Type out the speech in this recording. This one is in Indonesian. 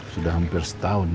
sudah hampir setahun ya